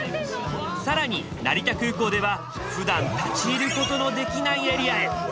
更に成田空港ではふだん立ち入ることのできないエリアへ。